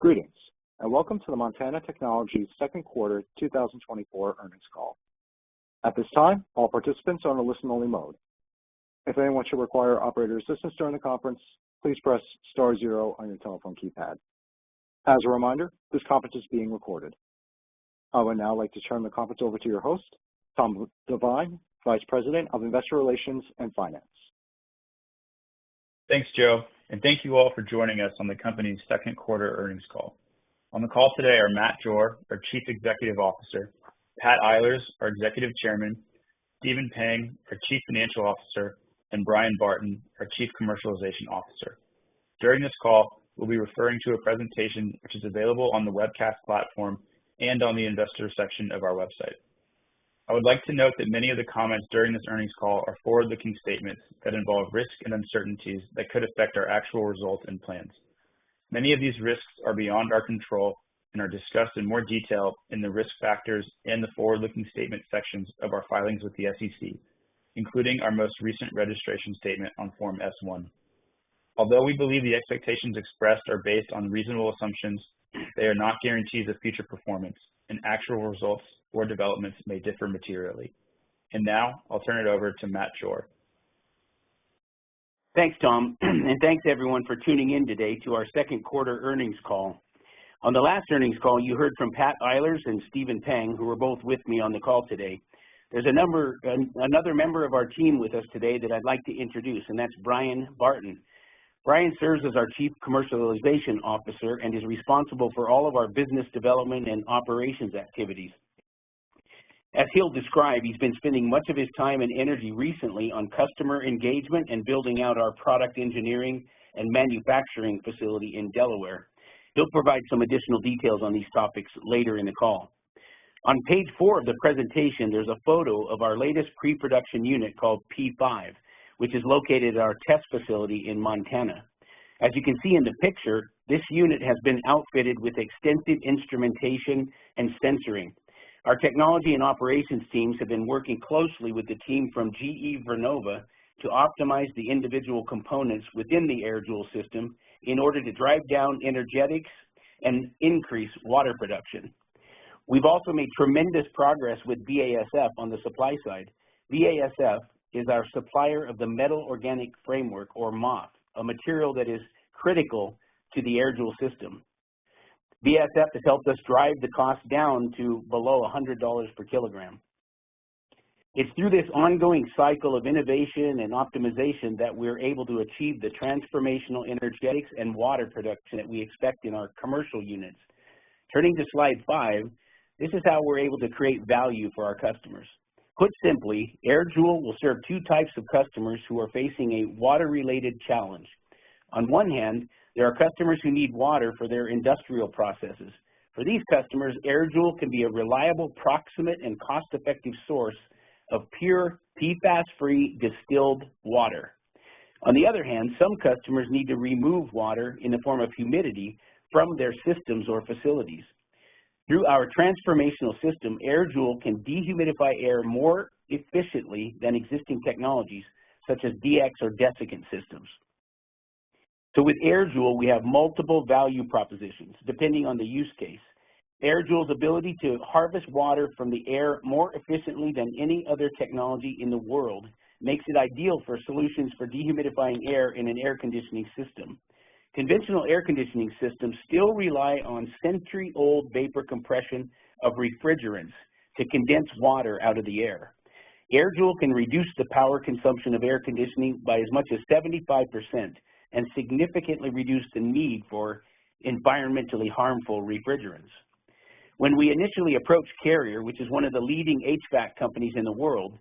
Greetings, and welcome to the Montana Technologies second quarter 2024 earnings call. At this time, all participants are on a listen-only mode. If anyone should require operator assistance during the conference, please press star zero on your telephone keypad. As a reminder, this conference is being recorded. I would now like to turn the conference over to your host, Tom Divine, Vice President of Investor Relations and Finance. Thanks, Joe, and thank you all for joining us on the company's second quarter earnings call. On the call today are Matt Jore, our Chief Executive Officer, Pat Eilers, our Executive Chairman, Stephen Pang, our Chief Financial Officer, and Bryan Barton, our Chief Commercialization Officer. During this call, we'll be referring to a presentation which is available on the webcast platform and on the investor section of our website. I would like to note that many of the comments during this earnings call are forward-looking statements that involve risks and uncertainties that could affect our actual results and plans. Many of these risks are beyond our control and are discussed in more detail in the Risk Factors and the Forward-Looking Statement sections of our filings with the SEC, including our most recent registration statement on Form S-1. Although we believe the expectations expressed are based on reasonable assumptions, they are not guarantees of future performance, and actual results or developments may differ materially. And now I'll turn it over to Matt Jore. Thanks, Tom, and thanks everyone for tuning in today to our second quarter earnings call. On the last earnings call, you heard from Pat Eilers and Stephen Pang, who are both with me on the call today. There's another member of our team with us today that I'd like to introduce, and that's Bryan Barton. Bryan serves as our Chief Commercialization Officer and is responsible for all of our business development and operations activities. As he'll describe, he's been spending much of his time and energy recently on customer engagement and building out our product engineering and manufacturing facility in Delaware. He'll provide some additional details on these topics later in the call. On page four of the presentation, there's a photo of our latest pre-production unit called P5, which is located at our test facility in Montana. As you can see in the picture, this unit has been outfitted with extensive instrumentation and sensing. Our technology and operations teams have been working closely with the team from GE Vernova to optimize the individual components within the AirJoule system in order to drive down energetics and increase water production. We've also made tremendous progress with BASF on the supply side. BASF is our supplier of the metal-organic framework, or MOF, a material that is critical to the AirJoule system. BASF has helped us drive the cost down to below $100 per kilogram. It's through this ongoing cycle of innovation and optimization that we're able to achieve the transformational energetics and water production that we expect in our commercial units. Turning to slide five, this is how we're able to create value for our customers. Put simply, AirJoule will serve two types of customers who are facing a water-related challenge. On one hand, there are customers who need water for their industrial processes. For these customers, AirJoule can be a reliable, proximate, and cost-effective source of pure, PFAS-free, distilled water. On the other hand, some customers need to remove water in the form of humidity from their systems or facilities. Through our transformational system, AirJoule can dehumidify air more efficiently than existing technologies, such as DX or desiccant systems. So with AirJoule, we have multiple value propositions, depending on the use case. AirJoule's ability to harvest water from the air more efficiently than any other technology in the world makes it ideal for solutions for dehumidifying air in an air conditioning system. Conventional air conditioning systems still rely on century-old vapor compression of refrigerants to condense water out of the air. AirJoule can reduce the power consumption of air conditioning by as much as 75% and significantly reduce the need for environmentally harmful refrigerants. When we initially approached Carrier, which is one of the leading HVAC companies in the world,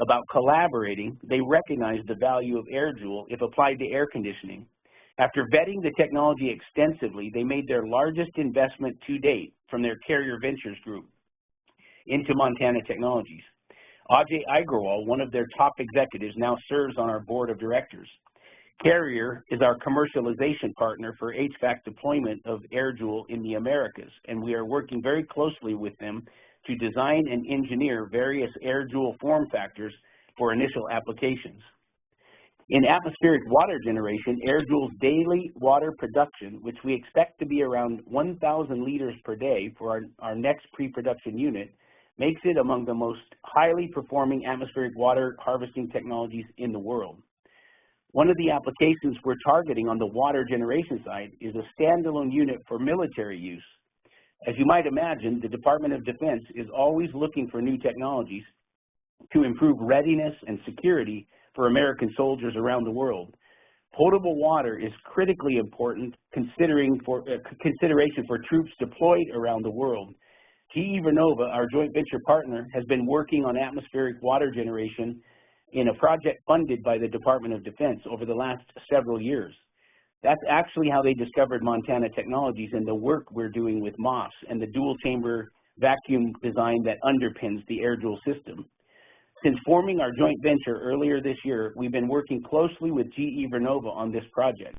about collaborating, they recognized the value of AirJoule if applied to air conditioning. After vetting the technology extensively, they made their largest investment to date from their Carrier Ventures group into Montana Technologies. Ajay Agrawal, one of their top executives, now serves on our board of directors. Carrier is our commercialization partner for HVAC deployment of AirJoule in the Americas, and we are working very closely with them to design and engineer various AirJoule form factors for initial applications. In atmospheric water generation, AirJoule's daily water production, which we expect to be around one thousand liters per day for our next pre-production unit, makes it among the most highly performing atmospheric water harvesting technologies in the world. One of the applications we're targeting on the water generation side is a standalone unit for military use. As you might imagine, the Department of Defense is always looking for new technologies to improve readiness and security for American soldiers around the world. Potable water is critically important, considering for consideration for troops deployed around the world. GE Vernova, our joint venture partner, has been working on atmospheric water generation in a project funded by the Department of Defense over the last several years. That's actually how they discovered Montana Technologies and the work we're doing with MOFs and the dual chamber vacuum design that underpins the AirJoule system. Since forming our joint venture earlier this year, we've been working closely with GE Vernova on this project.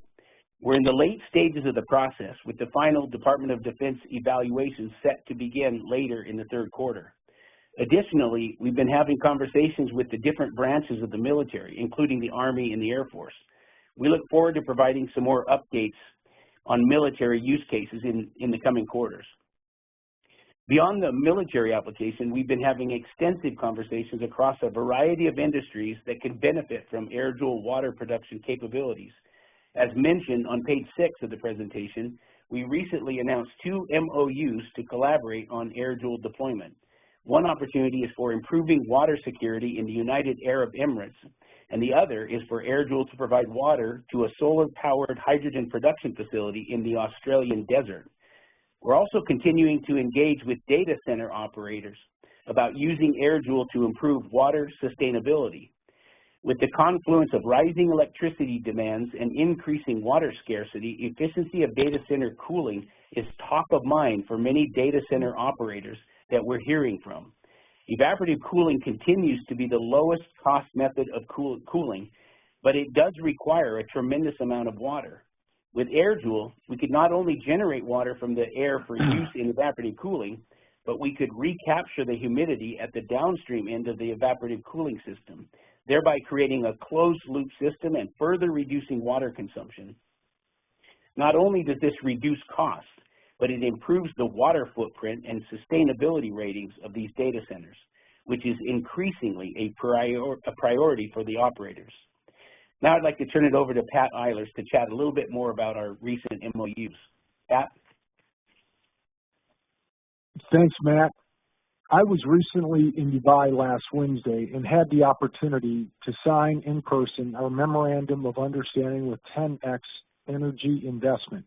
We're in the late stages of the process, with the final Department of Defense evaluation set to begin later in the third quarter. Additionally, we've been having conversations with the different branches of the military, including the Army and the Air Force. We look forward to providing some more updates on military use cases in the coming quarters. Beyond the military application, we've been having extensive conversations across a variety of industries that could benefit from AirJoule water production capabilities. As mentioned on page six of the presentation, we recently announced two MOUs to collaborate on AirJoule deployment. One opportunity is for improving water security in the United Arab Emirates, and the other is for AirJoule to provide water to a solar-powered hydrogen production facility in the Australian desert. We're also continuing to engage with data center operators about using AirJoule to improve water sustainability. With the confluence of rising electricity demands and increasing water scarcity, efficiency of data center cooling is top of mind for many data center operators that we're hearing from. Evaporative cooling continues to be the lowest cost method of cooling, but it does require a tremendous amount of water. With AirJoule, we could not only generate water from the air for use in evaporative cooling, but we could recapture the humidity at the downstream end of the evaporative cooling system, thereby creating a closed-loop system and further reducing water consumption. Not only does this reduce costs, but it improves the water footprint and sustainability ratings of these data centers, which is increasingly a priority for the operators. Now, I'd like to turn it over to Pat Eilers to chat a little bit more about our recent MOUs. Pat? Thanks, Matt. I was recently in Dubai last Wednesday and had the opportunity to sign in person our memorandum of understanding with TenX Energy Investment.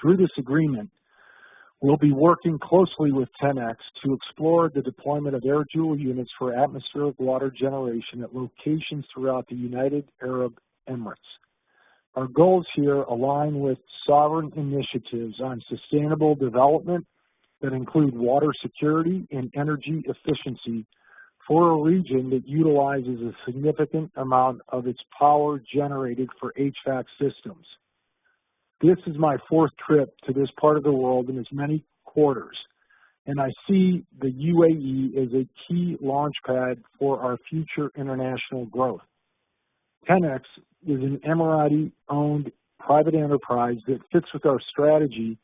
Through this agreement, we'll be working closely with TenX to explore the deployment of AirJoule units for atmospheric water generation at locations throughout the United Arab Emirates. Our goals here align with sovereign initiatives on sustainable development that include water security and energy efficiency for a region that utilizes a significant amount of its power generated for HVAC systems. This is my fourth trip to this part of the world in as many quarters, and I see the UAE as a key launchpad for our future international growth. TenX is an Emirati-owned private enterprise that fits with our strategy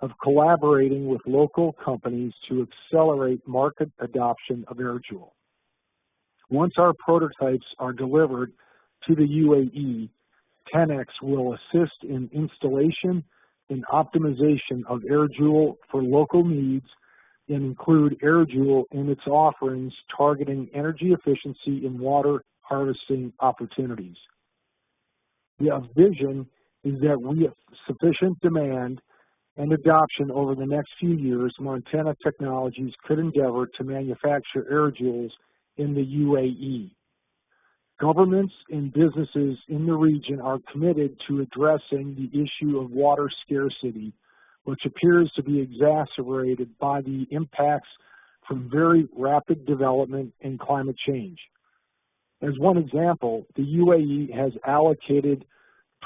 of collaborating with local companies to accelerate market adoption of AirJoule. Once our prototypes are delivered to the UAE, TenX will assist in installation and optimization of AirJoule for local needs and include AirJoule in its offerings, targeting energy efficiency and water harvesting opportunities. The vision is that with sufficient demand and adoption over the next few years, Montana Technologies could endeavor to manufacture AirJoules in the UAE. Governments and businesses in the region are committed to addressing the issue of water scarcity, which appears to be exacerbated by the impacts from very rapid development and climate change. As one example, the UAE has allocated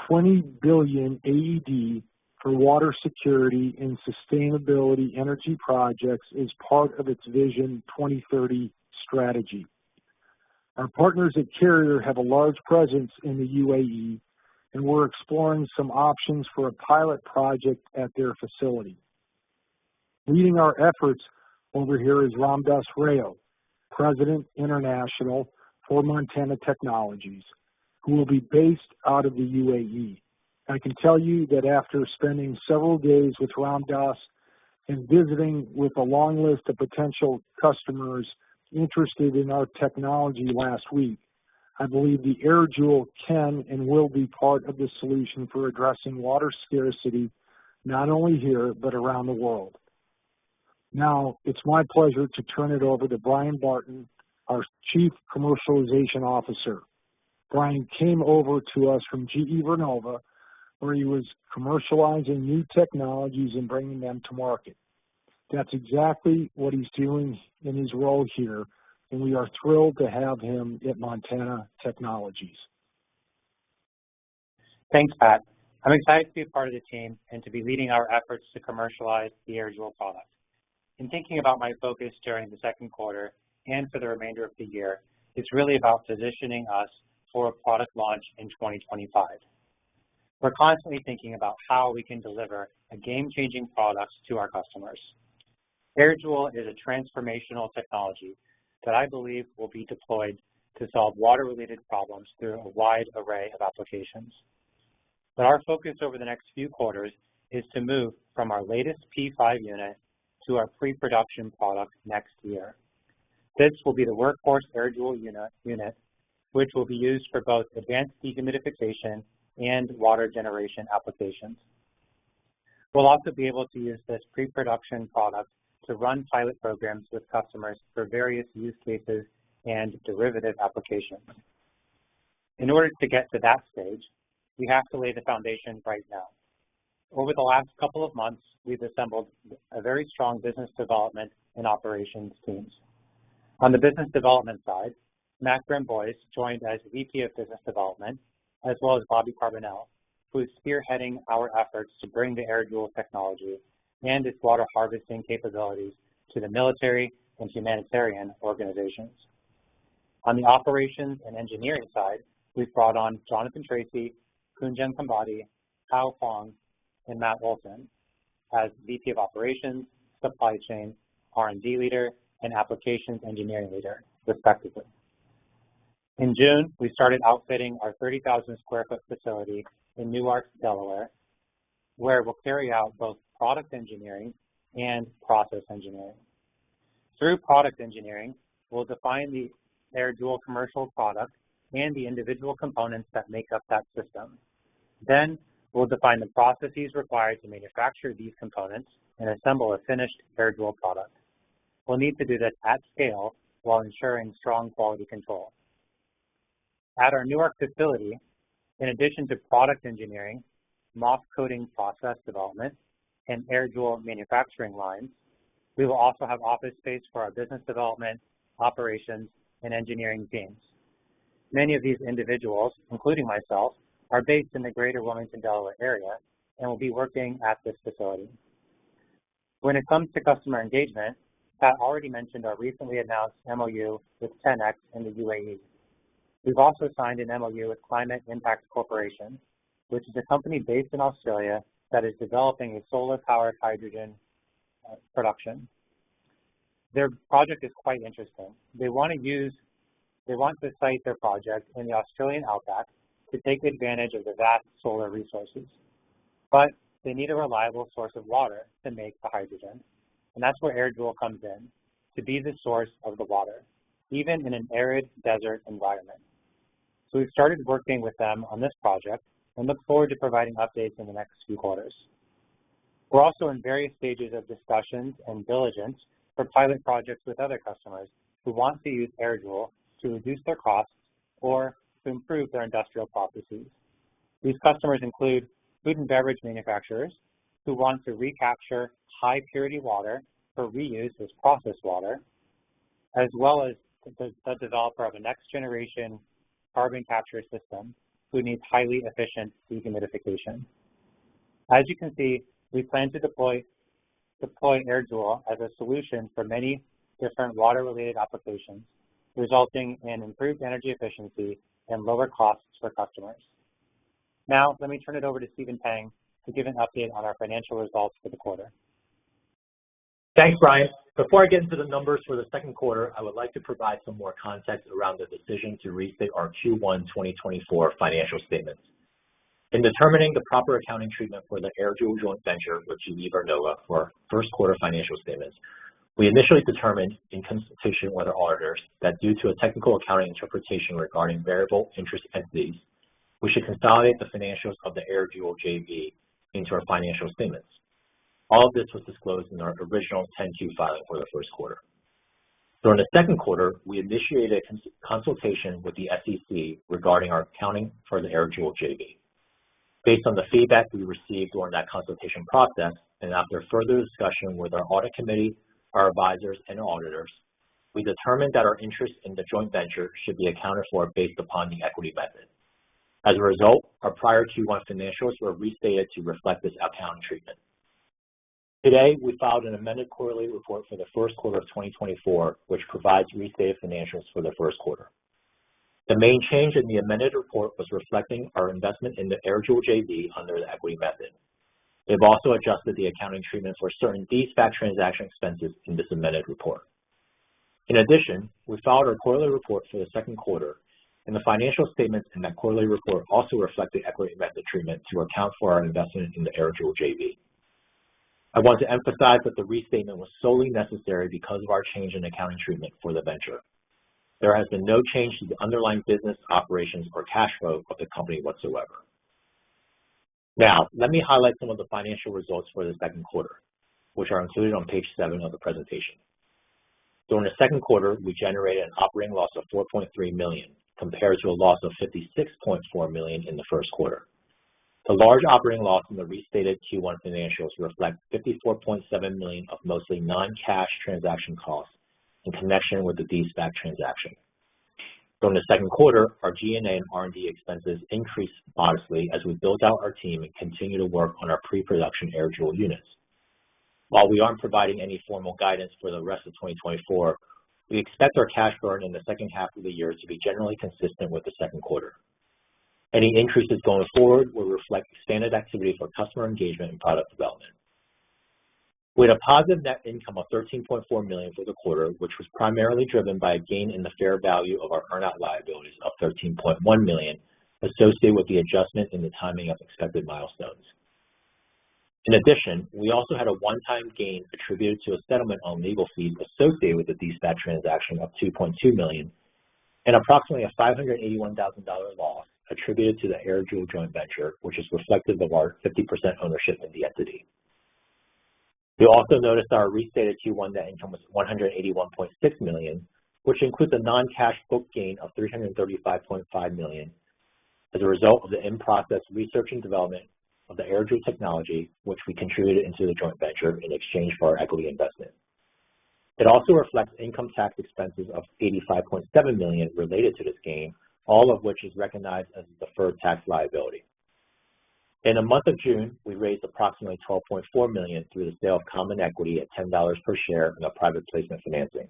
20 billion AED for water security and sustainability energy projects as part of its Vision 2030 strategy. Our partners at Carrier have a large presence in the UAE, and we're exploring some options for a pilot project at their facility. Leading our efforts over here is Ramdas Rao, President International for Montana Technologies, who will be based out of the UAE. I can tell you that after spending several days with Ramdas and visiting with a long list of potential customers interested in our technology last week, I believe the AirJoule can and will be part of the solution for addressing water scarcity, not only here, but around the world. Now, it's my pleasure to turn it over to Bryan Barton, our Chief Commercialization Officer. Bryan came over to us from GE Vernova, where he was commercializing new technologies and bringing them to market. That's exactly what he's doing in his role here, and we are thrilled to have him at Montana Technologies. Thanks, Pat. I'm excited to be a part of the team and to be leading our efforts to commercialize the AirJoule product. In thinking about my focus during the second quarter and for the remainder of the year, it's really about positioning us for a product launch in 2025. We're constantly thinking about how we can deliver a game-changing product to our customers. AirJoule is a transformational technology that I believe will be deployed to solve water-related problems through a wide array of applications. But our focus over the next few quarters is to move from our latest P5 unit to our pre-production product next year. This will be the workhorse AirJoule unit, which will be used for both advanced dehumidification and water generation applications. We'll also be able to use this pre-production product to run pilot programs with customers for various use cases and derivative applications. In order to get to that stage, we have to lay the foundation right now. Over the last couple of months, we've assembled a very strong business development and operations teams. On the business development side, Matt Grandbois joined as VP of Business Development, as well as Bobby Carbonell, who is spearheading our efforts to bring the AirJoule technology and its water harvesting capabilities to the military and humanitarian organizations. On the operations and engineering side, we've brought on Jonathan Tracy, Kunjan Khambhati, Hao Huang, and Matt Olsen as VP of Operations, Supply Chain, R&D Leader, and Applications Engineering Leader, respectively. In June, we started outfitting our 30,000 sq ft facility in Newark, Delaware, where we'll carry out both product engineering and process engineering. Through product engineering, we'll define the AirJoule commercial product and the individual components that make up that system. Then, we'll define the processes required to manufacture these components and assemble a finished AirJoule product. We'll need to do this at scale while ensuring strong quality control. At our Newark facility, in addition to product engineering, MOF coating, process development, and AirJoule manufacturing lines, we will also have office space for our business development, operations, and engineering teams. Many of these individuals, including myself, are based in the greater Wilmington, Delaware area and will be working at this facility. When it comes to customer engagement, I already mentioned our recently announced MOU with TenX in the UAE. We've also signed an MOU with Climate Impact Corporation, which is a company based in Australia that is developing a solar-powered hydrogen production. Their project is quite interesting. They want to site their project in the Australian Outback to take advantage of the vast solar resources, but they need a reliable source of water to make the hydrogen, and that's where AirJoule comes in, to be the source of the water, even in an arid desert environment. We've started working with them on this project and look forward to providing updates in the next few quarters. We're also in various stages of discussions and diligence for pilot projects with other customers who want to use AirJoule to reduce their costs or to improve their industrial processes. These customers include food and beverage manufacturers who want to recapture high purity water for reuse as process water, as well as the developer of a next generation carbon capture system, who needs highly efficient dehumidification. As you can see, we plan to deploy AirJoule as a solution for many different water-related applications, resulting in improved energy efficiency and lower costs for customers. Now, let me turn it over to Stephen Pang to give an update on our financial results for the quarter. Thanks, Bryan. Before I get into the numbers for the second quarter, I would like to provide some more context around the decision to restate our Q1 2024 financial statements. In determining the proper accounting treatment for the AirJoule joint venture, which we formed with GE Vernova in our first quarter financial statements, we initially determined, in consultation with our auditors, that due to a technical accounting interpretation regarding variable interest entities, we should consolidate the financials of the AirJoule JV into our financial statements. All of this was disclosed in our original 10-Q filing for the first quarter. During the second quarter, we initiated a consultation with the SEC regarding our accounting for the AirJoule JV. Based on the feedback we received during that consultation process, and after further discussion with our audit committee, our advisors, and auditors, we determined that our interest in the joint venture should be accounted for based upon the equity method. As a result, our prior Q1 financials were restated to reflect this accounting treatment. Today, we filed an amended quarterly report for the first quarter of 2024, which provides restated financials for the first quarter. The main change in the amended report was reflecting our investment in the AirJoule JV under the equity method. They've also adjusted the accounting treatment for certain de-SPAC transaction expenses in this amended report. In addition, we filed our quarterly report for the second quarter, and the financial statements in that quarterly report also reflect the equity method treatment to account for our investment in the AirJoule JV. I want to emphasize that the restatement was solely necessary because of our change in accounting treatment for the venture. There has been no change to the underlying business operations or cash flow of the company whatsoever. Now, let me highlight some of the financial results for the second quarter, which are included on page seven of the presentation. During the second quarter, we generated an operating loss of $4.3 million, compared to a loss of $56.4 million in the first quarter. The large operating loss in the restated Q1 financials reflect $54.7 million of mostly non-cash transaction costs in connection with the de-SPAC transaction. During the second quarter, our G&A and R&D expenses increased modestly as we built out our team and continued to work on our pre-production AirJoule units. While we aren't providing any formal guidance for the rest of 2024, we expect our cash burn in the second half of the year to be generally consistent with the second quarter. Any interest in going forward will reflect expanded activity for customer engagement and product development. We had a positive net income of $13.4 million for the quarter, which was primarily driven by a gain in the fair value of our earnout liabilities of $13.1 million, associated with the adjustment in the timing of expected milestones. In addition, we also had a one-time gain attributed to a settlement on legal fees associated with the de-SPAC transaction of $2.2 million, and approximately a $581,000 loss attributed to the AirJoule joint venture, which is reflective of our 50% ownership in the entity. You'll also notice our restated Q1 net income was $181.6 million, which includes a non-cash book gain of $335.5 million as a result of the in-process research and development of the AirJoule technology, which we contributed into the joint venture in exchange for our equity investment. It also reflects income tax expenses of $85.7 million related to this gain, all of which is recognized as a deferred tax liability. In the month of June, we raised approximately $12.4 million through the sale of common equity at $10 per share in a private placement financing.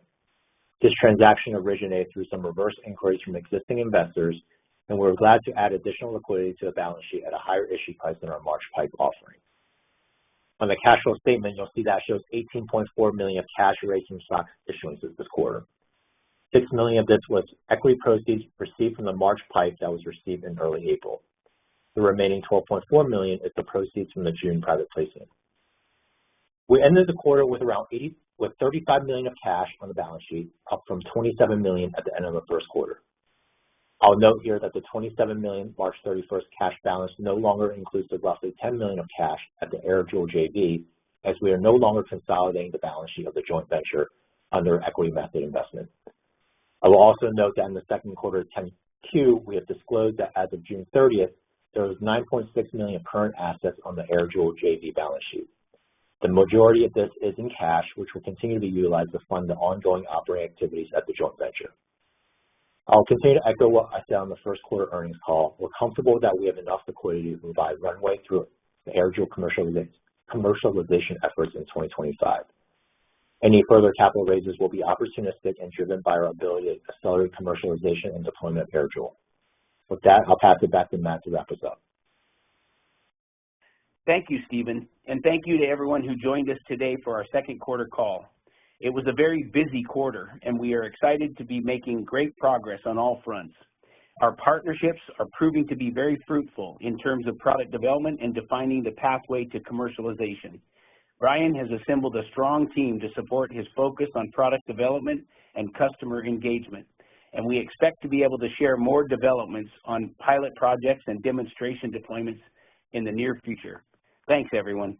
This transaction originated through some reverse inquiries from existing investors, and we're glad to add additional liquidity to the balance sheet at a higher issue price than our March PIPE offering. On the cash flow statement, you'll see that shows $18.4 million of cash raised from stock issuances this quarter. $6 million of this was equity proceeds received from the March PIPE that was received in early April. The remaining $12.4 million is the proceeds from the June private placement. We ended the quarter with around $35 million of cash on the balance sheet, up from $27 million at the end of the first quarter. I'll note here that the $27 million March 31st cash balance no longer includes the roughly $10 million of cash at the AirJoule JV, as we are no longer consolidating the balance sheet of the joint venture under equity method investment. I will also note that in the second quarter 10-Q, we have disclosed that as of June thirtieth, there was $9.6 million current assets on the AirJoule JV balance sheet. The majority of this is in cash, which we're continuing to utilize to fund the ongoing operating activities at the joint venture. I'll continue to echo what I said on the first quarter earnings call. We're comfortable that we have enough liquidity to provide runway through the AirJoule commercialization efforts in 2025. Any further capital raises will be opportunistic and driven by our ability to accelerate commercialization and deployment of AirJoule. With that, I'll pass it back to Matt to wrap us up. Thank you, Stephen, and thank you to everyone who joined us today for our second quarter call. It was a very busy quarter, and we are excited to be making great progress on all fronts. Our partnerships are proving to be very fruitful in terms of product development and defining the pathway to commercialization. Bryan has assembled a strong team to support his focus on product development and customer engagement, and we expect to be able to share more developments on pilot projects and demonstration deployments in the near future. Thanks, everyone.